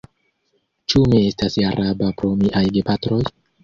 Ĉu mi estas araba pro miaj gepatroj?